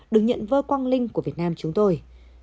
được nhận vơ quang linh của việt nam chúng tôi